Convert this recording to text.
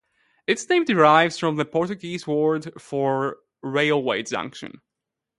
Its name derives from the Portuguese word for "railway junction".